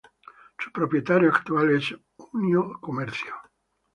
Su propietario actual es Unio Comercio.